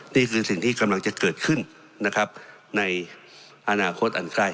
นี่คือสิ่งที่กำลังจะเกิดขึ้นนะครับในอนาคตอันใกล้